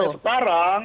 saya sampai sekarang